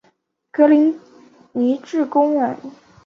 格林尼治宫苑。